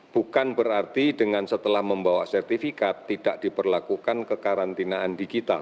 bukan berarti dengan setelah membawa sertifikat tidak diperlakukan kekarantinaan digital